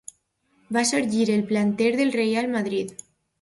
Va sorgir al planter del Reial Madrid.